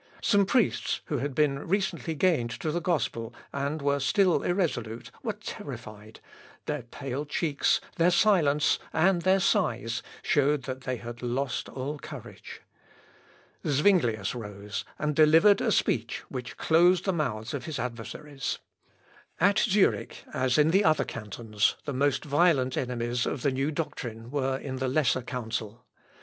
Some priests, who had been recently gained to the gospel, and were still irresolute, were terrified; their pale cheeks, their silence, and their sighs, showed that they had lost all courage. Zuinglius rose and delivered a speech, which closed the mouths of his adversaries. At Zurich, as in the other cantons, the most violent enemies of the new doctrine were in the Lesser Council.